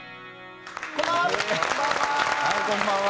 こんばんは！